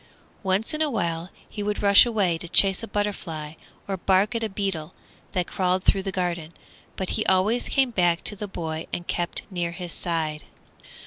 Once in a while he would rush away to chase a butterfly or bark at a beetle that crawled through the garden, but he always came back to the boy and kept near his side.